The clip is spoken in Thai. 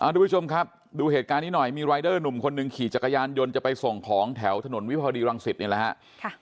ทุกผู้ชมครับดูเหตุการณ์นี้หน่อยมีรายเดอร์หนุ่มคนหนึ่งขี่จักรยานยนต์จะไปส่งของแถวถนนวิภาวดีรังสิตนี่แหละฮะ